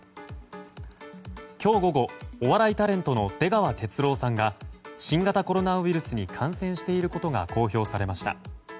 今日午後、お笑いタレントの出川哲朗さんが新型コロナウイルスに感染していることが公表されました。